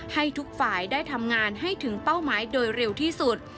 ให้ทุกฝ่ายได้ทำงานให้ถึงเป้าหมายโดยเร็วที่สุด